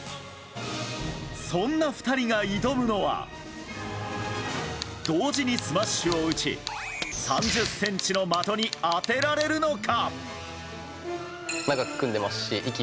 そんな２人が挑むのは同時にスマッシュを打ち３０ｃｍの的に当てられるのか。